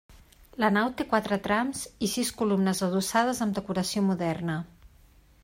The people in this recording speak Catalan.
La nau té quatre trams i sis columnes adossades amb decoració moderna.